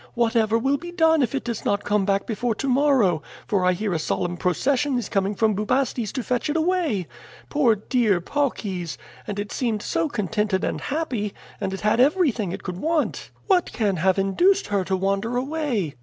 Whatever will be done if it does not come back before to morrow? for I hear a solemn procession is coming from Bubastes to fetch it away. Poor dear Paucis! And it seemed so contented and happy, and it had everything it could want! What can have induced her to wander away?"